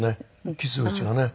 傷口がね。